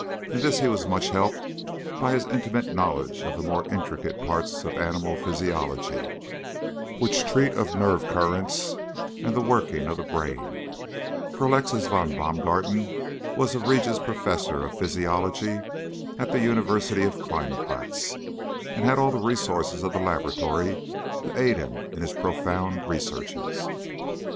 In this he was much helped by his intimate knowledge of the more intricate parts of animal physiology which treat of nerve currents and the working of the brain; for Alexis von Baumgarten was Regius Professor of Physiology at the University of Keinplatz, and had all the resources of the laboratory to aid him in his profound researches.